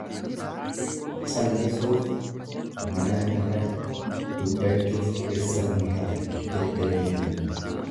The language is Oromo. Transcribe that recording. Callisuuf manatu na bade, dubbachuuf dhirsatu na hate jette niitiin.